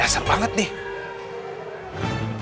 lo udah mau ke toilet